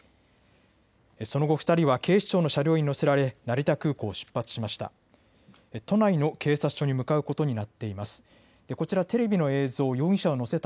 その後、２人は警視庁の車両に乗せられ成田空港を出発しました。